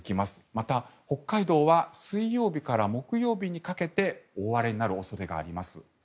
また、北海道は水曜日から木曜日にかけて大荒れになる恐れがあります。